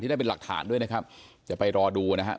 ได้เป็นหลักฐานด้วยนะครับจะไปรอดูนะฮะ